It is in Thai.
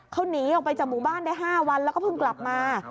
เขาหนีออกไปจากหมู่บ้านได้๕วันแล้วก็เพิ่งกลับมา